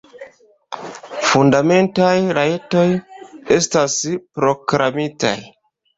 Fundamentaj rajtoj estas proklamitaj.